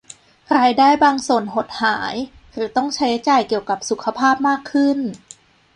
รายได้บางส่วนหดหาย หรือต้องใช้จ่ายเกี่ยวกับสุขภาพมากขึ้น